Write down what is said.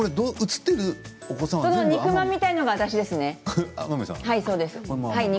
その肉まんみたいなのが私ですね。